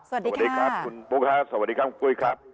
สวัสดีครับคุณปุ๊กฮะสวัสดีครับมกุ้ยครับ